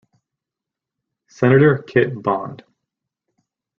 Senator Kit Bond.